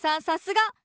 さすが！